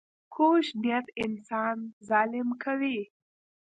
کوږ نیت انسان ظالم کوي